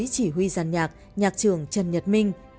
chỉ huy giàn nhạc nhạc trường trần nhật minh